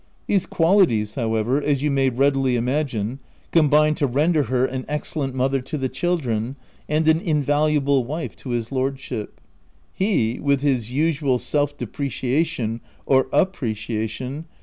These qualities however, as ycu may readily imagine, combined to render her an ex cellent mother to the children, and an invalu able wife to his lordship. He, with his usual self depreciation (or appreciation